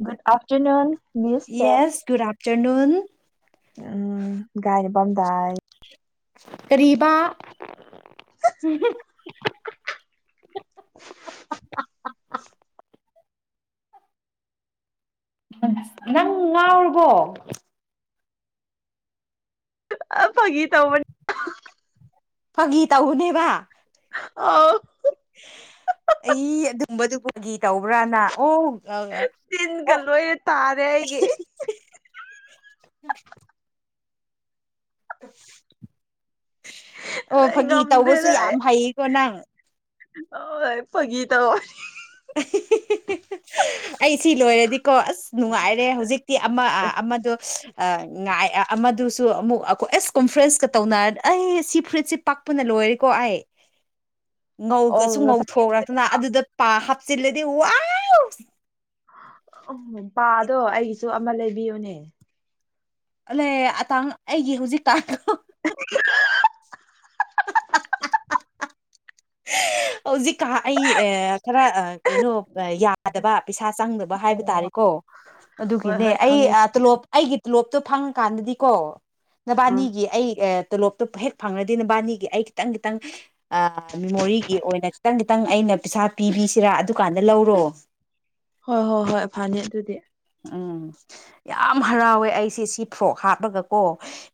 ꯨꯗ afternoon miss that yes good afternoon um ꯒꯥꯔꯤ ꯝꯗꯥꯏ ꯇꯔꯤꯕꯥ ꯅꯪ ꯉꯥꯎꯨꯔꯕꯣ ꯕꯒꯤ ꯒꯤꯇꯥ ꯑꯃꯅꯤꯅꯤ ꯐꯥꯒꯤ ꯇꯧꯎꯨꯅꯦꯕ ꯑ ꯑꯩ ꯑꯗꯨꯝꯕꯗꯨꯕꯨꯒꯤ ꯇꯧꯕ꯭ꯔꯥꯅ ꯑꯣ ꯑ ꯇꯤꯟꯒ ꯑꯣ ꯂꯣꯏꯅ ꯇꯥꯔꯦ ꯑꯩꯒꯤ ꯑꯣ ꯑꯩ ꯐꯥꯒꯤ ꯇꯧꯕꯁꯨ ꯌꯥꯝ ꯍꯩꯌꯦꯀꯣ ꯅꯪ ꯍ ꯐꯒꯤ ꯇ ꯋꯥꯅꯤ ꯑꯩ ꯁꯤ ꯂꯣꯏꯔꯗꯤꯀꯣ ꯑꯁ ꯅꯨꯡꯉꯥꯏꯔꯦ ꯍꯧꯖꯤꯛ ꯑꯃ ꯑꯃꯗ ꯑꯃꯗꯨꯁꯨ ꯑꯃꯨꯛ ꯑꯩꯣꯏ ꯑꯦꯁ ꯀꯣꯟꯐ꯭ꯔꯦꯟꯁ ꯇꯧꯅꯔ ꯑꯩ ꯁꯤ ꯐ꯭ꯔꯨꯏꯠꯁꯦ ꯄꯥꯛꯄꯅ ꯂꯣꯏꯔꯦꯀꯣ ꯑꯩ ꯑꯣ ꯉꯧꯒꯁꯨ ꯉꯧꯊꯣꯛꯔꯛꯇꯅ ꯑꯗꯨꯗ ꯄꯥ ꯍꯥꯞꯆꯤꯜꯂꯗꯤ ꯋꯥ ꯎꯝꯄꯥꯗꯣ ꯑꯩꯒꯤꯁꯨ ꯑꯃ ꯂꯩꯕꯤꯌꯨꯅꯦ ꯂ ꯑꯇꯥꯡ ꯑꯩꯒꯤ ꯍꯧꯖꯤꯛꯀꯥ [inaudible] [inaudible] ꯍꯧꯖꯤꯛꯀꯥ ꯑꯩ ꯈꯔ ꯀꯩꯅꯣ ꯌꯥꯗꯕ ꯄꯩꯁꯥ ꯆꯪꯗꯕ ꯍꯥꯏꯕ ꯇꯥꯔꯦꯀꯣ ꯍꯣꯏ ꯑꯗꯨꯒꯤꯅꯦ ꯍꯣꯏ ꯑꯩ ꯈꯪꯉꯦ ꯇꯣꯂꯣꯞ ꯑꯩꯒꯤ ꯇꯣꯂꯣꯞꯇꯣ ꯐꯪꯉꯀꯥꯟꯗꯗꯤꯀꯣ ꯑ ꯅꯕꯥꯅꯤꯒꯤ ꯑꯩ ꯇꯣꯂꯣꯞꯇꯣ ꯍꯦꯛ ꯐꯪꯉꯗꯤ ꯅꯕꯥꯅꯤꯒꯤ ꯑꯩ ꯈꯤꯇꯪ ꯈꯤꯇꯪ ꯃꯦꯃꯣꯔꯤ ꯑꯣꯏꯅ ꯈꯤꯇꯪ ꯈꯤꯇꯪ ꯑꯩꯅ ꯄꯩꯁꯥ ꯄꯤꯕꯤꯁꯤꯔꯥ ꯑꯗꯨꯀꯥꯟꯗ ꯂꯧꯔꯣ ꯍꯣꯏ ꯍꯣꯏ ꯍꯣꯏ ꯐꯅꯤ ꯑꯗꯨꯗꯤ ꯎꯝ ꯌꯥꯝ ꯍꯔꯥꯎꯋꯦ ꯑꯩꯁꯦ ꯁꯤ ꯐ꯭ꯔꯣꯛ ꯍꯥꯞꯄꯒ ꯀꯣ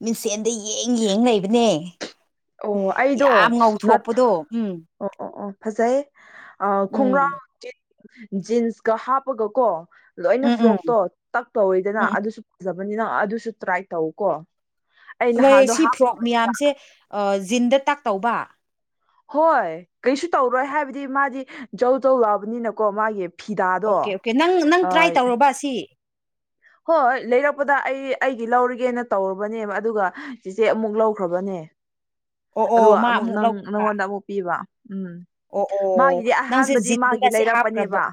ꯃꯤꯡꯁꯦꯟꯗ ꯌꯦꯡ ꯌꯦꯡ ꯂꯩꯕꯅꯦ ꯑꯣ ꯑꯩꯗꯣ ꯌꯥꯝ ꯅꯠ ꯉꯧꯊꯣꯛꯄꯗꯣ ꯎꯝ ꯑꯣ ꯑꯣ ꯑꯣ ꯐꯖꯩꯌꯦ ꯑ ꯎꯝ ꯈꯣꯡꯒ꯭ꯔꯥꯎ ꯖꯤꯟꯁꯀ ꯍꯥꯞꯄꯒꯀꯣ ꯂꯣꯏꯅ ꯎꯝ ꯎꯝ ꯐ꯭ꯔꯣꯛꯇꯣ ꯇꯛ ꯇꯧꯔꯤꯗꯅ ꯎꯝ ꯎꯝ ꯑꯗꯨꯁꯨ ꯐꯖꯕꯅꯤꯅ ꯑꯗꯨꯁꯨ ꯇ꯭ꯔꯥꯏ ꯇꯧ ꯀꯣ ꯂꯩ ꯁꯤ ꯐ꯭ꯔꯣꯛ ꯃꯌꯥꯝꯁꯦ ꯖꯤꯟꯗ ꯇꯥꯛꯇꯧꯕ ꯍꯣꯏ ꯀꯩꯁꯨ ꯇꯧꯔꯣꯏ ꯍꯥꯏꯕꯗꯤ ꯃꯥꯗꯤ ꯖꯧ ꯖꯧ ꯂꯥꯎꯕꯅꯤꯅꯀꯣ ꯃꯥꯒꯤ ꯐꯤꯗꯥꯗꯣ ꯑꯁꯤ ꯍꯣꯍ‌ꯣꯏ ꯂꯩꯔꯛꯄꯗ ꯑꯩ ꯑꯩꯒꯤ ꯂꯧꯔꯒꯦꯅ ꯇꯧꯔꯨꯕꯅꯦꯕ ꯑꯗꯨꯒ ꯆꯤꯆꯦ ꯑꯃꯨꯛ ꯂꯧꯈ꯭ꯔꯕꯅꯦ ꯑꯣ ꯑꯣ ꯑꯗꯨꯒ ꯃꯥ ꯑꯃꯨꯛ ꯅꯪ ꯂꯧꯈ꯭ꯔꯕ ꯅꯪꯉꯣꯟꯗ ꯑꯃꯨꯛ ꯄꯤꯕ ꯎꯝ ꯑꯣ ꯑꯣ ꯃꯥꯒꯤꯗꯤ ꯅꯪꯁꯦ ꯑꯍꯥꯟꯕꯗꯤ ꯖꯤꯠꯒ‌ꯣꯏꯅ ꯃꯥꯒꯤ ꯑꯁꯤ ꯍꯥꯞꯈ꯭ꯔꯕ ꯂꯩꯔꯛꯄꯅꯦꯕ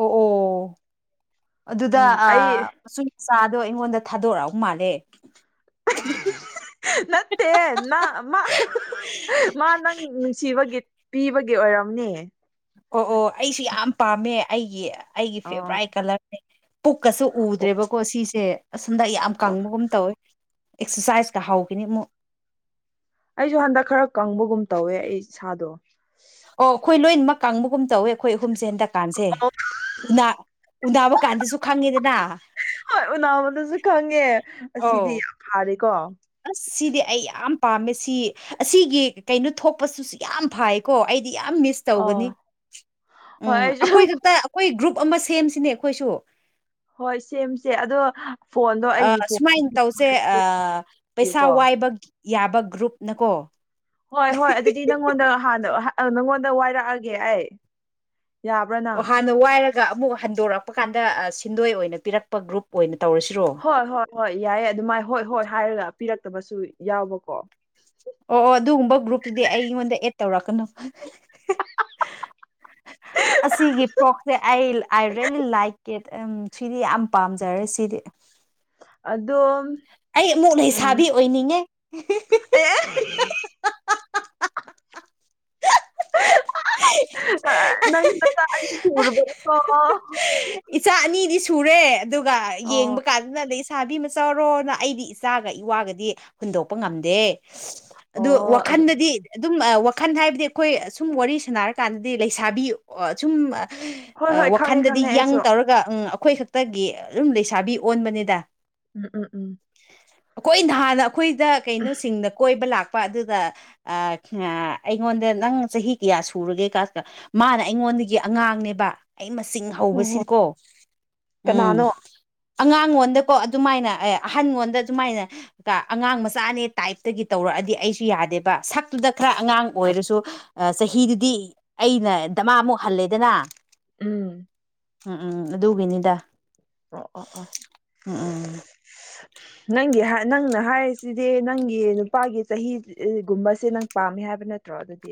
ꯑꯣ ꯑꯣ ꯑꯗꯨꯗ ꯎꯝ ꯑ ꯑꯩ ꯁꯨꯝ ꯆꯥꯗꯣ ꯑꯩꯉꯣꯟꯗ ꯊꯥꯗꯣꯔꯛ ꯃꯥꯜꯂꯦ ꯅꯠꯇꯦ ꯅꯥ ꯃꯥ ꯃꯥ ꯅꯪ ꯅꯨꯡꯁꯤꯕꯒꯤ ꯕꯒꯤ ꯑꯣꯏꯔꯝꯅꯤ ꯑꯣ ꯑꯣ ꯑꯩꯁꯨ ꯌꯥꯝ ꯄꯥꯝꯃꯦ ꯑꯩꯒꯤ ꯑꯩꯒꯤ ꯑꯥ ꯐꯦꯚꯣꯔꯥꯏꯠ ꯀꯂꯔꯅꯦ ꯄꯨꯛꯀꯁꯨ ꯎꯗ꯭ꯔꯦꯕꯀꯣ ꯁꯤꯁꯦ ꯑꯁꯣꯝꯗ ꯌꯥꯝ ꯑꯣ ꯀꯪꯕꯒꯨꯝ ꯇꯧꯋꯦ ꯑꯦꯛꯁꯔꯁꯥꯏꯖꯀ ꯍꯧꯈꯤꯅꯤ ꯃꯨꯛ ꯑꯩꯁꯨ ꯍꯟꯗꯛ ꯈꯔ ꯀꯪꯕꯒꯨꯝ ꯇꯧꯋꯦ ꯑꯩ ꯏꯁꯥꯗꯣ ꯑꯣ ꯑꯩꯈꯣꯏ ꯂꯣꯏꯅꯃꯛ ꯀꯥꯡꯕꯒꯨꯝ ꯇꯧꯋ‌ꯦ ꯑꯩꯈꯣꯏ ꯑꯍꯨꯝꯁꯦ ꯍꯟꯗꯛ ꯀꯥꯟꯁꯦ ꯎꯅ ꯎꯅꯕ ꯀꯥꯟꯗꯁꯨ ꯈꯪꯉꯦꯗꯅ ꯍꯣꯏ ꯎꯅꯥꯕꯗꯁꯨ ꯈꯪꯉꯦ ꯑꯁꯤꯗꯤ ꯑꯧ ꯌꯥꯝ ꯐꯥꯔꯦꯀꯣ ꯑꯁ ꯁꯤꯗꯤ ꯑꯩ ꯌꯥꯝ ꯄꯥꯝꯃꯦ ꯁꯤ ꯑꯁꯤꯒꯤ ꯀꯩꯅꯣ ꯊꯣꯛꯄꯁꯨꯁꯨ ꯌꯥꯝ ꯐꯥꯏ ꯀꯣ ꯑꯩꯗꯤ ꯌꯥꯝ ꯃꯤꯁ ꯑꯣ ꯇꯧꯒꯅꯤ ꯍꯣꯏ ꯎꯝ ꯑꯩꯁꯨ ꯑꯩꯈꯣꯏꯈꯛꯇ ꯑꯩꯈꯣꯏ ꯒ꯭ꯔꯨꯞ ꯑꯃ ꯁꯦꯝꯁꯤꯅꯦ ꯑꯩꯈꯣꯏꯁꯨ ꯍꯣꯏ ꯁꯦꯝꯁꯦ ꯑꯗꯣ ꯐꯣꯟꯗꯣ ꯑꯩꯒꯤ ꯑꯥ ꯁꯨꯃꯥꯏꯅ ꯇꯧꯁꯦ ꯐꯣꯟꯒꯤꯀꯣ ꯑꯥ ꯄꯩꯁꯥ ꯋꯥꯏꯕ ꯌꯥꯕ ꯒ꯭ꯔꯨꯞꯅꯀꯣ ꯍꯣꯏ ꯍꯣꯏ ꯑꯗꯨꯗꯤ ꯅꯪꯉꯣꯟꯗ ꯍꯥꯟꯅ ꯅꯪꯉꯣꯟꯗ ꯋꯥꯏꯔꯛꯑꯒꯦ ꯑꯩ ꯌꯥꯕ꯭ꯔ ꯑꯣ ꯅꯪ ꯍꯥꯟꯅ ꯋꯥꯏꯔꯒ ꯑꯃꯨꯛ ꯍꯟꯗꯣꯔꯛꯄ ꯀꯥꯟꯗ ꯁꯤꯟꯗꯣꯏ ꯑꯣꯏꯅ ꯄꯤꯔꯛꯄ ꯒ꯭ꯔꯨꯞ ꯑꯣꯏꯅ ꯇꯧꯔꯁꯤꯔꯣ ꯍꯣꯏ ꯍꯣꯏ ꯍꯣꯏ ꯌꯥꯏꯌꯦ ꯑꯗꯨꯃꯥꯏ ꯍꯣꯏ ꯍꯣꯏ ꯍꯥꯏꯔꯒ ꯄꯤꯔꯛꯇꯕꯁꯨ ꯌꯥꯎꯕꯀꯣ ꯑꯣ ꯑꯣ ꯑꯗꯨꯒꯨꯝꯕ ꯒ꯭ꯔꯨꯞꯇꯨꯗꯤ ꯑꯩꯉꯣꯟꯗ ꯑꯦꯠ ꯇꯧꯔꯛꯀꯅꯨ [unintelligible] ꯑꯁꯤꯒꯤ ꯐ꯭ꯔꯣꯛꯁꯦ ꯑꯩ ꯑꯥꯏ ꯔ‌ꯦꯂꯤ ꯂꯥꯏꯛ ꯏꯠ ꯎ ꯁꯤꯗꯤ ꯌꯥꯝ ꯄꯥꯝꯖꯔꯦ ꯁꯤꯗꯤ ꯑꯗꯣ ꯑꯩ ꯑꯃꯨꯛ ꯂꯩꯁꯥꯕꯤ ꯎꯝ ꯑꯣꯏꯅꯤꯡꯉꯦ ꯑꯦ [unintelligible] ꯅꯪ ꯅꯆꯥ ꯑꯅꯤ ꯊꯨꯡꯔꯕ ꯅꯠꯇ꯭ꯔ‌ꯣ ꯏꯆꯥ ꯑꯅꯤꯗꯤ ꯁꯨꯔꯦ ꯑꯗꯨꯒ ꯑꯣ ꯌꯦꯡꯕ ꯀꯥꯟꯗꯅ ꯂꯩꯁꯥꯕꯤ ꯃꯆꯥꯎ ꯔ‌ꯣꯅ ꯑꯩꯗꯤ ꯏꯆꯥꯒ ꯏꯋꯥꯒꯗꯤ ꯍꯨꯟꯗꯣꯛꯄ ꯉꯝꯗꯦ ꯑꯗꯨ ꯑꯣ ꯑꯗꯨ ꯋꯥꯈꯟꯗꯗꯤ ꯑꯗꯨꯝ ꯋꯥꯈꯜ ꯍꯥꯏꯕꯗꯤ ꯑꯩꯈꯣꯏ ꯁꯨꯝ ꯋꯥꯔꯤ ꯁꯥꯟꯅꯔꯀꯥꯟꯗꯗꯤ ꯂꯩꯁꯥꯕꯤ ꯑ ꯁꯨꯝ ꯍꯣꯏ ꯍꯣꯏ ꯈꯪꯉꯦ ꯋꯥꯈꯟꯗꯗꯤ ꯈꯪꯉꯦ ꯌꯪ ꯑꯩꯁꯨ ꯇꯧꯔꯒ ꯎꯝ ꯑꯩꯈꯣꯏ ꯈꯛꯇꯒꯤ ꯑꯗꯨꯝ ꯂꯩꯁꯥꯕꯤ ꯑꯣꯟꯕꯅꯤꯗ ꯎꯝ ꯎꯝ ꯎꯝ ꯑꯩꯈꯣꯏ ꯅꯍꯥꯟꯅ ꯑꯩꯈꯣꯏꯗ ꯀꯩꯅꯣꯁꯤꯡꯗ ꯀꯣꯏꯕ ꯂꯥꯛꯄ ꯑꯗꯨꯗ ꯑ ꯑꯩꯉꯣꯟꯗ ꯅꯪ ꯆꯍꯤ ꯀꯌꯥ ꯁꯨꯔꯒꯦ ꯀꯀ ꯃꯥꯅ ꯑꯩꯉꯣꯟꯗꯒꯤ ꯑꯉꯥꯡꯅꯦꯕ ꯑꯩ ꯃꯆꯤꯡ ꯍꯣꯏ ꯍꯣꯏ ꯍꯧꯕꯁꯤꯀꯣ ꯎꯝ ꯀꯅꯥꯅꯣ ꯑꯉꯥꯡꯉꯣꯟꯗꯀꯣ ꯑꯗꯨꯃꯥꯏꯅ ꯑꯦ ꯑꯍꯟꯉꯣꯟꯗ ꯑꯗꯨꯃꯥꯏꯅ ꯀ ꯑꯉꯥꯡ ꯃꯆꯥꯅꯦ ꯇꯥꯏꯞꯇꯒꯤ ꯇꯧꯔꯛꯑꯗꯤ ꯑꯩꯁꯨ ꯌꯥꯗꯦꯕ ꯁꯛꯇꯨꯗ ꯈꯔ ꯑꯉꯥꯡ ꯑꯣꯏꯔꯁꯨ ꯑ ꯆꯍꯤꯗꯨꯗꯤ ꯑꯩꯅ ꯗꯃꯥꯃꯨꯛ ꯍꯜꯂꯦꯗꯅ ꯎꯝ ꯎꯝ ꯎꯝ ꯑꯗꯨꯒꯤꯅꯤꯗ ꯑꯣ ꯑ‌ꯣ ꯑꯣ ꯎꯝ ꯎꯝ ꯅꯪꯒꯤ ꯅꯪꯅ ꯍꯥꯏꯔꯤꯁꯤꯗꯤ ꯅꯪꯒꯤ ꯅꯨꯄꯥꯒꯤ ꯆꯍꯤꯒꯨꯝꯕꯁꯦ ꯅꯪ ꯄꯥꯝꯃꯤ ꯍꯥꯏꯕ ꯅꯠꯇ꯭ꯔꯣ ꯑꯗꯨꯗꯤ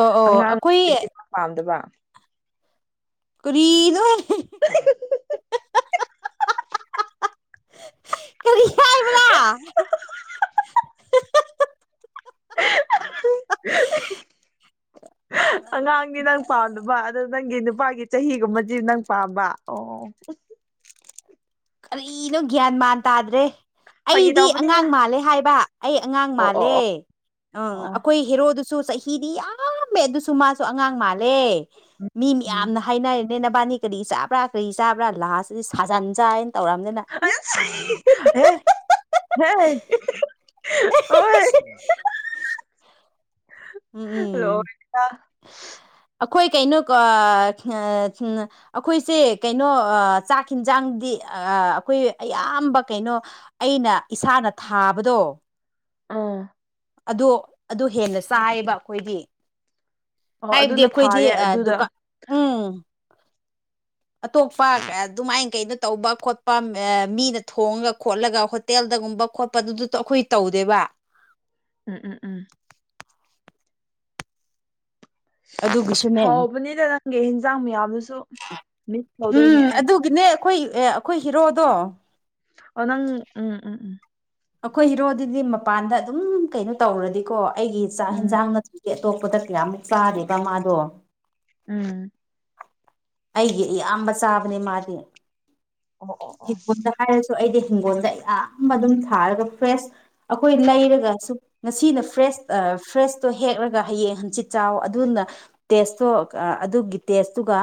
ꯑꯣ ꯑꯣ ꯑꯉꯥꯡ [inaudible] ꯑꯩꯈꯣꯏ ꯗꯤ ꯄꯥꯝꯗꯕ ꯀꯔꯤꯗ [unintelligible] ꯀꯔꯤ ꯍꯥꯏ ꯍꯥꯏꯕ꯭ꯔ ꯍ ꯑ ꯑꯉꯥꯡꯗꯤ ꯅꯪ ꯄꯥꯝꯅꯕ ꯑꯗ ꯅꯪꯒꯤ ꯅꯨꯄꯥꯒꯤ ꯆꯍꯤꯒꯨꯝꯕꯗꯤ ꯅꯪ ꯄꯥꯝꯕ ꯑꯣ ꯀꯔꯤꯅꯣ ꯒ꯭ꯌꯥꯟ ꯃꯥꯟ ꯇꯥꯗ꯭ꯔꯦ ꯐꯥꯒꯤ ꯑꯩꯗꯤ ꯇꯧꯕꯅꯤꯗ ꯑꯉꯥꯡ ꯃꯥꯜꯂꯦ ꯍꯥꯏꯕ ꯑꯩ ꯑꯉꯥꯡ ꯑꯣ ꯑꯣ ꯃꯥꯜꯂꯦ ꯑꯣ ꯑ ꯑꯣ ꯑꯩꯈꯣꯏ ꯍꯦꯔꯣꯗꯨꯁꯨ ꯆꯍꯤꯗꯤ ꯌꯥꯝꯃꯦ ꯑꯗꯨꯁꯨ ꯃꯥꯁꯨ ꯑꯉꯥꯡ ꯃꯥꯜꯂꯦ ꯎꯝ ꯃꯤ ꯎꯝ ꯃꯌꯥꯝꯅ ꯍꯥꯏꯅꯔꯦꯅꯦ ꯅꯕꯥꯅꯤ ꯀꯔꯤ ꯆꯥꯕ꯭ꯔꯥ ꯀꯔꯤ ꯆꯥꯕ꯭ꯔꯥ ꯂꯥꯁꯇꯗꯤ ꯁꯥꯖꯟꯖꯥꯏꯅ ꯇꯧꯔꯝꯅꯤꯅ ꯑ ꯍꯦ ꯍꯦ ꯑꯣꯏ [unintelligible] ꯎꯝ ꯍꯜꯂꯣ ꯎꯝ ꯑꯩꯈꯣꯏ ꯀꯩꯅꯣꯀꯣ ꯑꯩꯈꯣꯏꯁꯦ ꯀꯩꯅꯣ ꯆꯥꯛ ꯍꯟꯖꯥꯡꯗꯤ ꯑꯩꯈꯣꯏ ꯑꯌꯥꯝꯕ ꯀꯩꯅꯣ ꯑꯩꯅ ꯏꯁꯥꯅ ꯊꯥꯕꯗꯣ ꯑꯥ ꯑꯗꯣ ꯑꯗꯨ ꯍꯦꯟꯅ ꯆꯥꯏꯌꯦꯕ ꯑꯩꯈꯣꯏꯗꯤ ꯑꯣ ꯍꯥꯏꯕꯗꯤ ꯑꯗꯨꯅ ꯑꯩꯈꯣꯏꯗꯤ ꯐꯥꯔꯦ ꯑꯗꯨꯗ ꯗꯨꯀꯥꯟ ꯎꯝ ꯑꯇꯣꯞꯄ ꯑꯗꯨꯃꯥꯏꯅ ꯀꯩꯅꯣ ꯇꯧꯕ ꯈꯣꯠꯄ ꯃꯤꯅ ꯊꯣꯡꯉꯒ ꯈꯣꯠꯂꯒ ꯇꯦꯜꯗꯒꯨꯝꯕ ꯈꯣꯠꯄꯗꯨꯗꯨꯣ ꯑꯩꯈꯣꯏ ꯇꯧꯗꯦꯕ ꯎꯝ ꯎꯝ ꯎꯝ ꯑꯗꯨꯒꯤꯁꯨꯅꯦ ꯎꯝ ꯍꯥꯎꯕꯅꯤꯗ ꯅꯪꯒꯤ ꯍꯤꯟꯖꯥꯡ ꯃꯌꯥꯝꯗꯨꯁꯨ ꯃꯤꯁ ꯇꯧꯗꯣꯏꯅꯦ ꯎꯝ ꯑꯩ ꯑꯗꯨꯒꯤꯅꯦ ꯑꯩꯈꯣꯏ ꯑꯩꯈꯣꯏ ꯍꯤꯔꯣꯗꯣ ꯑꯣ ꯎꯝ ꯎꯝ ꯎꯝ ꯑꯩꯈꯣꯏ ꯍꯤꯔꯣꯗꯨꯗꯤ ꯃꯄꯥꯟꯗ ꯑꯗꯨꯝ ꯀꯩꯅꯣ ꯇꯧꯔꯗꯤꯀꯣ ꯑꯩꯒꯤ ꯆꯥꯛ ꯎꯝ ꯌꯦꯟꯁꯥꯡꯅ ꯑꯇꯣꯞꯄꯗ ꯀꯌꯥꯃꯨꯛ ꯆꯥꯗꯦꯕ ꯃꯥꯗꯣ ꯎꯝ ꯑꯩꯒꯤ ꯏꯌꯥꯝꯕ ꯆꯥꯕꯅꯦ ꯑꯣ ꯑꯣ ꯑꯣ ꯃꯥꯗꯤꯗ ꯍꯥꯏꯔꯁꯨ ꯑꯩꯗꯤ ꯍꯤꯡꯒꯣꯜꯗ ꯌꯥꯝꯌꯥꯝꯕ ꯑꯗꯨꯝ ꯊꯥꯔꯒ ꯐ꯭ꯔꯦꯁ ꯑꯩꯈꯣꯏ ꯂꯩꯔꯒ ꯁ ꯉꯁꯤꯅ ꯐ꯭ꯔꯦꯁ ꯐ꯭ꯔꯦꯁꯇꯣ ꯍꯦꯛꯂꯒ ꯍꯌꯦꯡ ꯍꯪꯆꯤꯠ ꯆꯥꯎ ꯑꯗꯨꯅ ꯇꯦꯁꯇꯣ ꯑꯗꯨꯒꯤ ꯇꯦꯁꯇꯨꯒ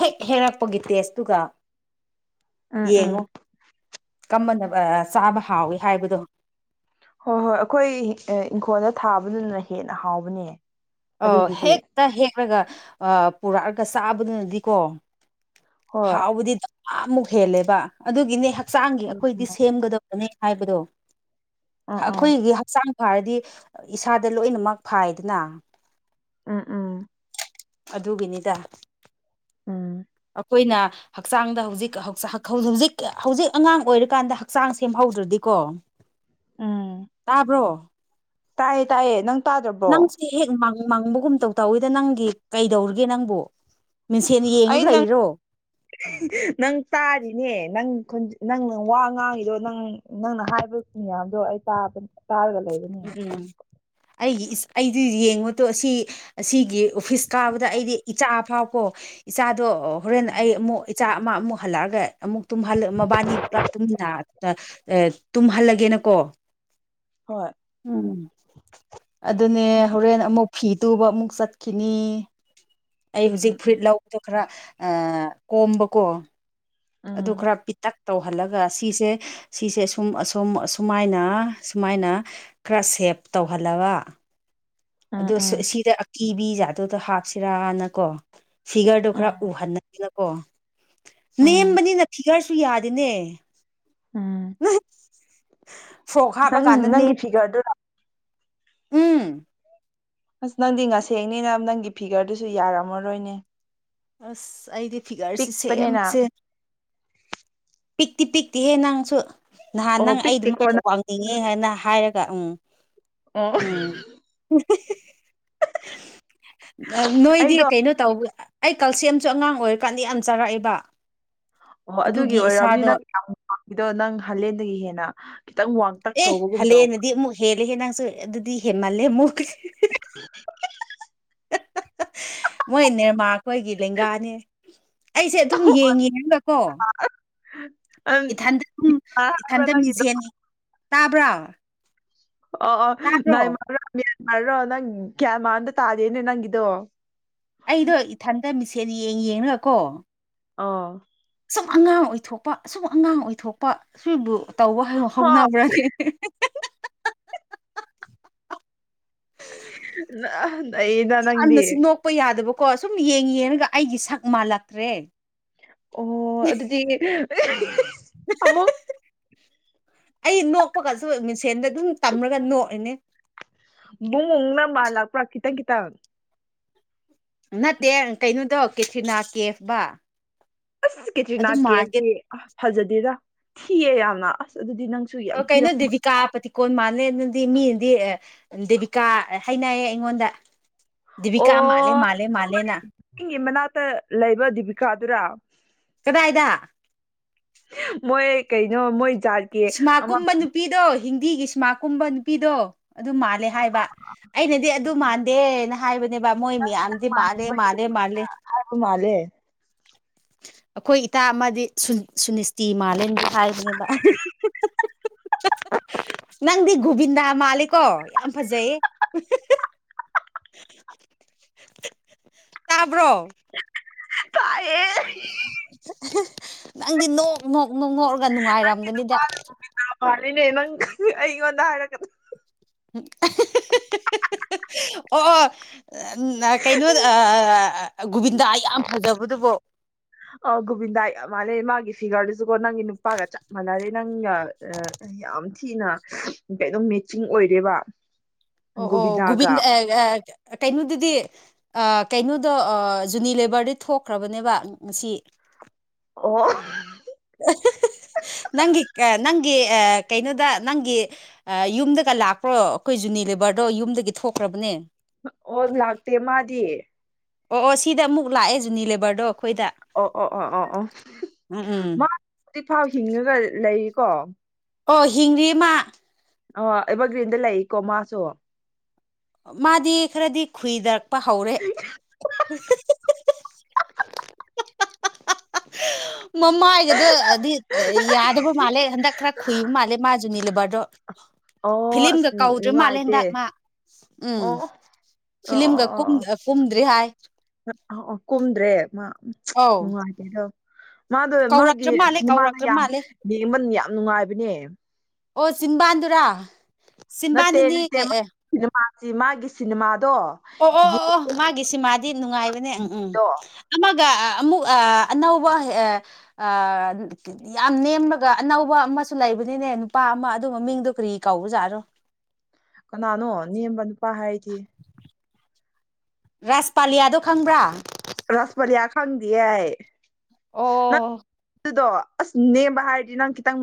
ꯍꯦꯛ ꯍꯦꯛꯔꯛꯄꯒꯤ ꯇꯦꯁꯇꯨꯒ ꯎꯝ ꯎꯝ ꯌꯦꯡꯉꯣ ꯀꯃꯅ ꯆꯥꯕ ꯍꯥꯎꯏꯤ ꯍꯥꯏꯕꯗꯣ ꯍꯣꯏ ꯍꯣꯏ ꯑꯩꯈꯣꯏ ꯏꯪꯈꯣꯜꯗ ꯊꯥꯕꯗꯨꯅ ꯍꯦꯟꯅ ꯍꯥꯎꯕꯅꯦ ꯑ ꯑꯗꯨꯒꯤꯗꯤ ꯍꯦꯛꯇ ꯍꯦꯛꯂꯒ ꯄꯨꯔꯛꯑꯒ ꯆꯥꯕꯗꯨꯅꯗꯤꯀꯣ ꯍꯣꯏ ꯍꯥꯎꯕꯗꯤꯃꯨꯛ ꯍꯦꯜꯂꯦꯕ ꯑꯗꯨꯒꯤꯅꯦ ꯍꯛꯆꯥꯡꯒꯤ ꯎꯝ ꯑꯩꯈꯣꯏꯗꯤ ꯎꯝ ꯁꯦꯝꯒꯗꯕ ꯍꯥꯏꯕꯗꯣ ꯎꯝ ꯎꯝ ꯑꯩꯈꯣꯏꯒꯤ ꯍꯛꯆꯥꯡ ꯐꯔꯗꯤ ꯏꯁꯥꯗ ꯂꯣꯏꯅꯃꯛ ꯐꯥꯏꯗꯅ ꯎꯝ ꯎꯝ ꯑꯗꯨꯒꯤꯅꯤꯗ ꯎꯝ ꯑꯩꯈꯣꯏꯅ ꯍꯛꯆꯥꯡꯗ ꯍꯧꯖꯤꯛ ꯍꯧꯖꯤꯛ ꯍꯧꯖꯤꯛ ꯑꯉꯥꯡ ꯑꯣꯏꯔꯤꯀꯥꯟꯗ ꯍꯛꯆꯥꯡ ꯁꯦꯝꯍꯧꯗ꯭ꯔꯗꯤꯀꯣ ꯎꯝ ꯇꯥꯕ꯭ꯔꯣ ꯇꯥꯏꯌꯦ ꯇꯥꯏꯌꯦ ꯅꯪ ꯇꯥꯗ꯭ꯔꯕꯣ ꯅꯪꯁꯦ ꯍꯦꯛ ꯃꯥꯡꯕꯒꯨꯝꯇꯧ ꯇꯧꯋꯤꯗ ꯅꯪꯒꯤ ꯀꯩꯗꯧꯔꯤꯒꯦ ꯅꯪꯕꯨ ꯃꯤꯡꯁꯦꯟ ꯌꯦꯡ ꯑꯩ ꯅꯪ ꯂꯩꯔꯣ ꯅꯪ ꯇꯥꯔꯤꯅꯦ ꯅꯪ ꯅꯪ ꯋꯥ ꯉꯥꯡꯉꯤꯗꯣ ꯅꯪ ꯅꯪꯅ ꯍꯥꯏꯕ ꯃꯌꯥꯝꯗꯣ ꯑꯩ ꯇꯥꯕꯅꯦ ꯎꯝ ꯎꯝ ꯑꯩꯒꯤ ꯑꯩꯗꯤ ꯌꯦꯡꯕꯗꯣ ꯑꯁꯤ ꯑꯁꯤꯒꯤ ꯑꯣꯐꯤꯁ ꯀꯥꯕꯗ ꯑꯩꯗꯤ ꯏꯆꯥ ꯑ ꯐꯥꯎ ꯀꯣ ꯏꯆꯥꯗꯣ ꯍꯣꯔꯦꯟ ꯑꯩ ꯑꯃꯨꯛ ꯏꯆꯥ ꯑꯃ ꯑꯃꯨꯛ ꯇꯨꯝꯍꯜꯂꯛꯑꯒ ꯑꯃꯨꯛ ꯃꯕꯥꯅꯤ ꯄꯨꯂꯞ ꯇꯨꯝꯍꯜꯂꯒꯦꯅꯀꯣ ꯍꯣꯏ ꯎꯝ ꯑꯗꯨꯅꯦ ꯎꯝ ꯍꯣꯔꯦꯟ ꯑꯃꯨꯛ ꯐꯤ ꯇꯨꯕ ꯑꯃꯨꯛ ꯆꯠꯈꯤꯅꯤ ꯑꯩ ꯎꯝ ꯍꯧꯖꯤꯛ ꯎꯝ ꯐꯨꯏꯠ ꯂꯧꯕꯗꯣ ꯈꯔ ꯀꯣꯝꯕꯀꯣ ꯑꯗꯨ ꯎꯝ ꯈꯔ ꯄꯤꯇꯛ ꯇꯧꯍꯜꯂꯒ ꯁꯤꯁꯦ ꯁꯤꯁꯦ ꯁꯨꯝ ꯑꯁꯨꯝ ꯑꯁꯨꯃꯥꯏꯅ ꯁꯨꯃꯥꯏꯅ ꯈꯔ ꯁꯦꯞ ꯇꯧꯍꯜꯂꯕ ꯎꯝ ꯑ ꯎꯝ ꯁꯤꯗ ꯑꯀꯤꯕꯤ ꯖꯥ ꯑꯗꯨꯗ ꯍꯥꯞꯁꯤꯔꯥꯅꯀꯣ ꯁꯤꯒꯔꯗꯣ ꯎꯝ ꯈꯔ ꯎꯍꯟꯟꯅꯗꯦꯅꯀꯣ ꯎꯝ ꯅꯦꯝꯕꯅꯤꯅ ꯐꯤꯒꯔꯁꯨ ꯌꯥꯔꯤꯅꯦ ꯎꯝ ꯐꯣꯛ ꯍꯥꯞꯄꯀꯥꯟꯗꯅꯦ ꯐꯤꯒꯗ ꯎꯝ ꯑꯁ ꯅꯪꯗꯤ ꯉꯁꯦꯡꯅꯤꯅ ꯅꯪꯒꯤ ꯐꯤꯒꯔꯗꯨꯁꯨ ꯌꯥꯔꯝꯃꯔꯣꯏꯅꯦ ꯑꯁ ꯑꯩꯗꯤ ꯐꯤꯒꯔꯁꯦ ꯄꯤꯛꯄꯅꯤꯅ ꯁꯦꯝꯁꯦ ꯄꯤꯛꯇꯤ ꯄꯤꯛꯇꯤꯍꯦ ꯅꯪꯁꯨ ꯅꯍꯥꯟ ꯑꯣ ꯅꯪ ꯑꯩ ꯄꯤꯛꯇꯦꯀꯣ ꯑꯗꯨꯃꯥꯏꯅ ꯅꯪ ꯋꯥ ꯆꯤꯡꯉꯦ ꯍꯥꯏꯅ ꯍꯥꯏꯔꯒ ꯎꯝ ꯑꯣ ꯎꯝ ꯅꯣꯏꯗꯤ ꯑꯩꯗꯣ ꯀꯩꯅꯣ ꯇꯧꯕ ꯑꯩ ꯀꯜꯁꯦꯝꯁꯨ ꯑꯉꯥꯡ ꯑꯣꯏꯔꯤꯀꯥꯟꯗꯤ ꯌꯥꯝ ꯆꯥꯔꯛꯑꯏꯕ ꯑꯣꯍꯣ ꯑꯗꯨꯒꯤ ꯑꯣꯏꯔꯝꯅꯤ ꯅꯪ ꯋꯥꯡꯗꯣ ꯅꯪ ꯍꯂꯦꯟꯗꯒꯤ ꯍꯦꯟꯅ ꯈꯤꯇꯪ ꯋꯥꯡ ꯑꯦ ꯍꯜꯂꯛꯑꯦꯅꯗꯤ ꯑꯃꯨꯛ ꯍꯦꯜꯂꯦ ꯍꯦ ꯅꯪꯁꯨ ꯑꯗꯨꯗꯤ ꯍꯦꯃꯜꯂꯦ ꯑꯃꯨꯛ ꯎꯝ ꯃꯣꯏ ꯅꯤꯔꯃꯥꯔꯈꯣꯏꯒꯤ ꯂꯦꯡꯒꯥꯅꯤ ꯑꯩꯁꯦ ꯑꯗꯨꯝ ꯌꯦꯡꯉꯤ ꯍꯥꯏꯕꯀꯣ ꯏꯊꯟꯗ ꯑꯗꯨꯝ ꯍꯥꯏꯕ꯭ꯔꯥ ꯏꯊꯟꯇ ꯅꯪꯒꯤꯗꯣ ꯃꯤꯡꯁꯦꯟꯅꯤ ꯇꯥꯕ꯭ꯔꯣ ꯑ ꯑ ꯅꯏꯃꯔꯔꯣ ꯃ꯭ꯌꯥꯟꯃꯥꯔꯔꯣ ꯅꯪ ꯒ꯭ꯌꯥꯟꯃꯥꯔꯗ ꯇꯥꯗꯦꯅꯦ ꯅꯪꯒꯤꯗꯣ ꯑꯩꯗꯣ ꯏꯊꯟꯇ ꯃꯤꯁꯦꯟ ꯌꯦꯡ ꯌꯦꯡꯅꯀꯣ ꯑꯥ ꯑꯁꯨꯝ ꯑꯉꯥꯡ ꯑꯣꯏꯊꯣꯛꯄ ꯑꯁꯨꯝ ꯑꯉꯥꯡ ꯑꯣꯏꯊꯣꯛꯄ ꯁꯤꯕꯨ ꯇꯧꯕ ꯍꯣ ꯍꯧꯅꯕ꯭ꯔꯗꯤ ꯑ ꯏꯗ ꯅꯪꯗꯤ ꯀꯄ ꯌꯥꯗꯕꯀꯣ ꯁꯨꯝ ꯌꯦꯡ ꯌꯦꯡꯉꯒ ꯑꯩꯒꯤ ꯁꯛ ꯃꯥꯜꯂꯛꯇ꯭ꯔꯦ ꯑꯣ ꯑꯗꯨꯗꯤꯃꯣ ꯑꯩ ꯅꯣꯛꯄꯒꯁꯨ ꯃꯤꯡꯁꯦꯟꯗ ꯑꯗꯨꯝ ꯇꯝꯔꯒ ꯅꯣꯛꯏꯅꯦ ꯎꯡꯅꯝꯕ ꯂꯥꯛꯄ꯭ꯔꯥ ꯈꯤꯇꯪ ꯀꯈꯤꯇꯪ ꯅꯠꯇꯦ ꯀꯩꯅꯣꯗꯧ ꯀꯦꯊ꯭ꯔꯤꯅꯥ ꯀꯦꯐꯕ ꯑꯁ ꯀꯦꯇ꯭ꯔꯤꯅꯥ ꯑꯗꯨ ꯃꯥꯟꯒꯦ ꯀꯦꯁꯦ ꯑ ꯐꯖꯗꯦꯔ ꯊꯤꯌꯦ ꯌꯥꯝꯅ ꯑꯁ ꯑꯗꯨꯗꯤ ꯅꯪ ꯀꯩꯅꯣ ꯗꯦꯕꯤꯀꯥ ꯄꯇ ꯀꯣꯟ ꯃꯥꯜꯂꯦ ꯑꯗꯨꯗꯤ ꯃꯤꯗꯤ ꯗꯦꯕꯤꯀꯥ ꯍꯥꯏꯅꯩꯌꯦ ꯑꯩꯉꯣꯟꯗ ꯕꯤꯀꯥ ꯃꯥꯂꯦ ꯃꯥꯂꯦ ꯃꯥꯂꯦꯅ ꯏꯪꯒꯤ ꯃꯅꯥꯛꯇ ꯂꯩꯕ ꯗꯤꯕꯤꯀꯥꯗꯨꯔ ꯀꯗꯥ ꯍꯥꯏꯗ ꯃꯣꯏ ꯀꯩꯅꯣ ꯃꯣꯏ ꯁꯤꯃꯥ ꯀꯨꯝꯕ ꯑꯃꯝꯇꯪ ꯅꯨꯄꯤꯗꯣ ꯍꯤꯟꯗꯤꯒꯤ ꯁꯤꯃꯥ ꯀꯨꯝꯕ ꯅꯨꯄꯤꯗꯣ ꯑꯗꯨ ꯃꯥꯜꯂꯦ ꯍꯥꯏꯕ ꯑꯩꯅꯗꯤ ꯑꯗꯨ ꯃꯥꯟꯗꯦꯅ ꯍꯥꯏꯕꯅꯦꯕ ꯃꯣꯏ ꯃꯌꯥꯝꯗꯤ ꯃꯥꯂꯦ ꯃꯥꯜꯂꯦ ꯃꯥꯜꯂꯦ ꯑꯒ ꯃꯥꯂꯦ ꯑꯩꯈꯣꯏ ꯏꯇꯥ ꯑꯃꯗꯤ ꯁꯨꯅꯤꯁꯇꯤ ꯃꯥꯂꯦꯝꯒꯤ ꯍꯥꯏꯕꯅꯦꯕ ꯅꯪꯗꯤ ꯒꯣꯕꯤꯟꯗꯥ ꯃꯥꯂꯦꯀꯣ ꯌꯥꯝ ꯐꯖꯩꯌꯦ ꯇꯥꯕ꯭ꯔꯣ ꯇꯌꯦ ꯅꯪꯗꯤ ꯅꯣꯛ ꯅꯣꯛ ꯅꯣꯛꯃꯣꯛꯑꯒ ꯅꯨꯡꯉꯥꯏꯔꯝꯒꯅꯤꯗ ꯑꯅꯤꯅꯦꯃꯪ ꯑꯩꯉꯣꯟꯗ ꯍꯥꯏꯔꯛꯒꯗ ꯑꯣ ꯀꯩꯅꯣ ꯒꯣꯕꯤꯟꯗꯥ ꯌꯥꯝ ꯐꯖꯕꯗꯨꯕꯣ ꯑ ꯒꯣꯕꯤꯟꯗꯥꯏ ꯃꯥꯜꯂꯦ ꯃꯥꯒꯤ ꯐꯤꯒꯔꯗꯨꯁꯨꯀꯣ ꯅꯪꯒꯤ ꯅꯨꯄꯥꯒ ꯆꯞ ꯃꯥꯟꯅꯔꯦ ꯅꯪꯒ ꯌꯥꯝ ꯊꯤꯅ ꯀꯩꯅꯣ ꯃꯦꯆꯤꯡ ꯑꯣꯏꯔꯦꯕ ꯑꯣ ꯑꯣ ꯒꯣꯕꯤꯟ ꯒꯣꯕꯤꯟꯗꯥꯒ ꯀꯩꯅꯣꯗꯨꯗꯤ ꯀꯩꯅꯣꯗꯣ ꯖꯨꯅꯤ ꯂꯦꯕꯔꯗꯤ ꯊꯣꯛꯈ꯭ꯔꯕꯅꯦꯕ ꯉꯁꯤ ꯑꯣ ꯅꯪꯒꯤ ꯑ ꯅꯪꯒꯤ ꯑ ꯀꯩꯅꯣꯗ ꯅꯪꯒꯤ ꯌꯨꯝꯗꯒ ꯂꯥꯛꯄ꯭ꯔꯣ ꯑꯩꯈꯣꯏ ꯖꯨꯅꯤ ꯂꯦꯕꯔꯗꯣ ꯌꯨꯝꯗꯒꯤ ꯊꯣꯛꯈ꯭ꯔꯕꯅꯦ ꯑꯣ ꯂꯥꯛꯇꯦ ꯃꯥꯗꯤ ꯑꯣ ꯑꯣ ꯁꯤꯗ ꯑꯃꯨꯛ ꯂꯥꯛꯑꯦ ꯖꯨꯅꯤ ꯂꯦꯕꯔꯗꯣ ꯑꯩꯈꯣꯏꯗ ꯑꯣ ꯑꯣ ꯑꯣ ꯑꯣ ꯑꯣ ꯎꯝ ꯎꯝ ꯃꯥ ꯍꯧꯖꯤꯛꯐꯥꯎ ꯍꯤꯡꯉꯒ ꯂꯩꯔꯤꯀꯣ ꯑꯣ ꯍꯤꯡꯔꯤꯃ ꯑꯣ ꯑꯦꯕꯔꯒ꯭ꯔꯤꯟꯗ ꯂꯩꯀꯣ ꯃꯥꯁꯨ ꯃꯥꯗꯤ ꯈꯔꯗꯤ ꯈꯨꯏꯗꯔꯛꯄ ꯍꯧꯔꯦ [unintelligible] ꯃꯃꯥꯏꯒꯗꯣ ꯍꯥꯏꯗꯤ ꯌꯥꯗꯕ ꯃꯥꯜꯂꯦ ꯍꯟꯗꯛ ꯈꯔ ꯈꯨꯨꯏꯕ ꯃꯥꯜꯂꯦ ꯃꯥꯁꯨ ꯅꯤꯂꯦꯕꯔꯗꯣ ꯑꯣ ꯑꯁ ꯐꯤꯂꯤꯝꯒ ꯀꯧꯗ꯭ꯔ ꯅꯨꯡꯉꯥꯏꯇꯦ ꯃꯥꯂꯦꯟꯗꯥꯛ ꯃꯥ ꯎꯝ ꯑꯣ ꯑꯣ ꯐꯤꯂꯤꯝꯒ ꯀꯨꯝꯗ꯭ꯔꯤ ꯍꯥꯏ ꯑ ꯑ ꯀꯨꯝꯗ꯭ꯔꯦ ꯃꯥ ꯑꯧ ꯅꯨꯡꯉꯥꯏꯇꯦ ꯑꯗꯣ ꯃꯥꯗꯣ ꯃꯥꯒꯤ ꯀꯧꯔꯛꯇ꯭ꯔ ꯃꯥꯜꯂꯦ ꯁꯤꯅꯦꯃꯥꯗ ꯀꯧꯔꯛꯇ꯭ꯔ ꯌꯥꯝ ꯃꯥꯜꯂꯦ ꯌꯦꯡꯕ ꯌꯥꯝ ꯅꯨꯡꯉꯥꯏꯕꯅꯦ ꯑꯣ ꯆꯤꯟꯕꯥꯟꯗꯨꯔꯥ ꯅꯠꯇꯦ ꯆꯤꯟꯕꯥꯟꯗꯨꯅꯤ ꯅꯠꯇꯦ ꯀꯩ ꯃꯥ ꯑꯦ ꯁꯤꯅꯦꯃꯥꯁꯤ ꯃꯥꯒꯤ ꯁꯤꯅꯦꯃꯥꯗꯣ ꯑꯣ ꯑꯣ ꯑꯣ ꯑꯣ ꯌꯦꯡꯕꯗꯣ ꯃꯥꯒꯤꯁꯤꯃꯗꯤ ꯅꯨꯡꯉꯥꯏꯕꯅꯦ ꯎꯝ ꯎꯝ ꯑꯃꯒ ꯑꯃꯨꯛ ꯑꯅꯧꯕ ꯑ ꯌꯥꯝ ꯅꯦꯝꯂꯒ ꯑꯅꯧꯕ ꯑꯃꯁꯨ ꯂꯩꯕꯅꯤꯅꯦ ꯅꯨꯄꯥ ꯑꯃ ꯑꯗꯨꯝꯕ ꯃꯤꯡꯗꯣ ꯀꯔꯤ ꯀꯧꯕꯖꯥꯠꯔꯣ ꯀꯅꯥꯅꯣ ꯅꯦꯝꯕ ꯅꯨꯄꯥ ꯍꯥꯏꯗꯤ ꯔꯥꯁ ꯄꯥꯂꯤꯌꯥꯗꯣ ꯈꯪꯕ꯭ꯔꯥ ꯔꯁꯃꯂꯤꯂꯤꯌꯥ ꯈꯪꯗ ꯅ ꯑꯣ ꯑꯗꯨꯗꯣ ꯑꯁ ꯅꯦꯝꯕ ꯍꯥꯏꯔꯗꯤ ꯅꯪ ꯈꯤꯇꯪ